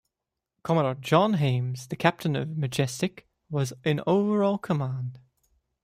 Commodore John Hayes, the captain of "Majestic", was in overall command.